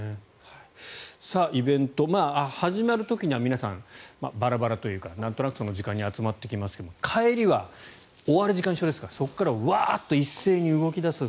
イベント、始まる時には皆さん、バラバラというかなんとなくその時間に集まってきますけども帰りは終わる時間が一緒ですからそこからワーッと一斉に動き出す。